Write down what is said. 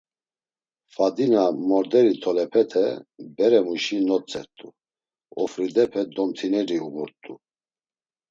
Fadina morderi tolepete beremuşi notzert̆u; ofridepe domtineri uğurt̆u.